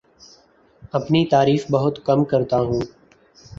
اپنی تعریف بہت کم کرتا ہوں